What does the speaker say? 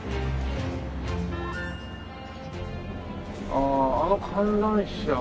ああの観覧車は？